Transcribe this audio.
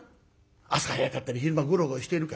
朝早かったり昼間ゴロゴロしてるから。